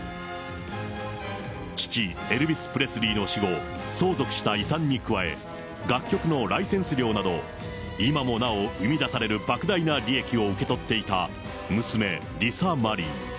父、エルビス・プレスリーの死後、相続した遺産に加え、楽曲のライセンス料など、今もなお生み出されるばく大な利益を受け取っていた娘、リサ・マリー。